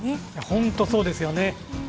本当にそうですね。